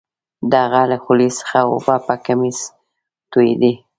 د هغه له خولې څخه اوبه په کمیس تویدې